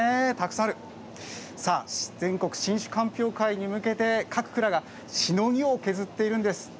さあ全国新酒鑑評会に向けて各蔵がしのぎを削っているんです。